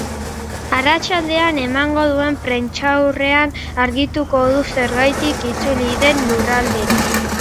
Arratsaldean emango duen prentsaurrean argituko du zergatik itzuli den lurraldera.